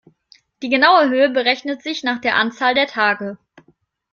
Die genaue Höhe berechnet sich nach der Anzahl der Tage.